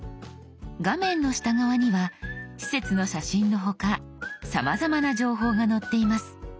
画面の下側には施設の写真の他さまざまな情報が載っています。